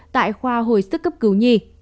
tại khoa hồi sức cấp cứu nhi